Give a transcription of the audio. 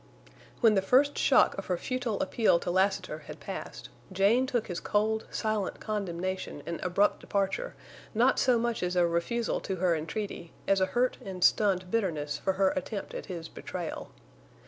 When the first shock of her futile appeal to Lassiter had passed, Jane took his cold, silent condemnation and abrupt departure not so much as a refusal to her entreaty as a hurt and stunned bitterness for her attempt at his betrayal.